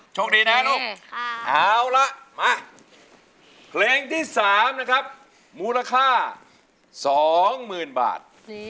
โชคดีนะลูกเอาละมาเพลงที่๓นะครับมูลค่า๒๐๐๐บาท